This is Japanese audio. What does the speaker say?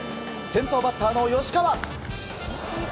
先頭バッターの吉川。